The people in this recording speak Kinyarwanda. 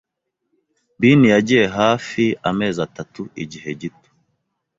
Been yagiye hafi amezi atatu, igihe gito